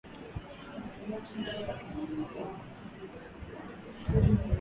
unaweza kumenya kabla ya kula